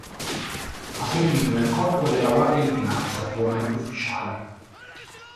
Ha servito nel corpo della Guardia di Finanza come ufficiale.